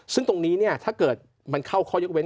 ซึ่งตรงนี้ถ้าเกิดมันเข้าข้อยกเว้น